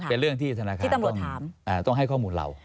เป็นเรื่องที่ธนาคารต้องให้ข้อมูลเรา